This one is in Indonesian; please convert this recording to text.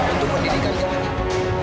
untuk pendidikan jawa timur